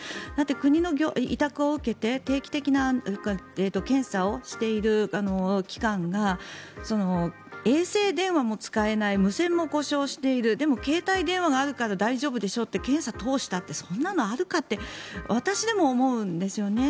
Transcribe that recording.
国の委託を受けて定期的な検査をしている機関が衛星電話も使えない無線も故障しているでも携帯電話があるから大丈夫でしょって検査を通したってそんなのあるかって私でも思うんですよね。